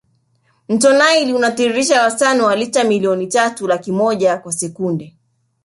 mto nile unatiririsha wastani wa lita milioni tatu laki moja kwa sekunde